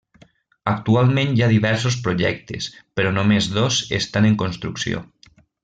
Actualment hi ha diversos projectes, però només dos estan en construcció.